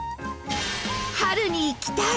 春に行きたい！